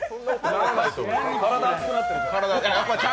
体熱くなってるから。